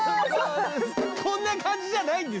こんな感じじゃないんですよ！